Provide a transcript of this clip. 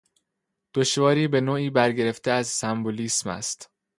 دشواری به نوعی برگرفته از سمبولیسم است